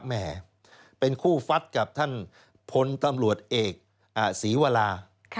แหมเป็นคู่ฟัดกับท่านพลตำรวจเอกศรีวรา